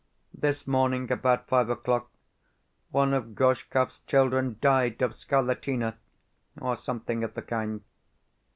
This morning, about five o'clock, one of Gorshkov's children died of scarlatina, or something of the kind.